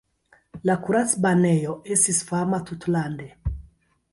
La kuracbanejo estis fama tutlande.